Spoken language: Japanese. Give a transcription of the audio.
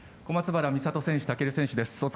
小松原美里選手、尊選手です。